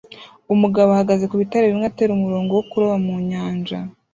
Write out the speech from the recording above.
Umugabo ahagaze ku bitare bimwe atera umurongo wo kuroba mu nyanja